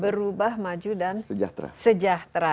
berubah maju dan sejahtera